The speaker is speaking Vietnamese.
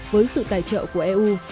với sự tài trợ của eu